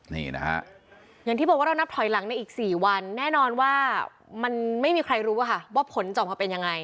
นี่นะฮะอย่างที่บอกว่าเรานับถอยหลังในอีก๔วันแน่นอนว่ามันไม่มีใครรู้ว่าค่ะว่าผลจะออกมาเป็นยังไง